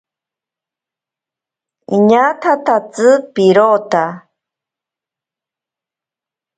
Iñatatatsi pirota.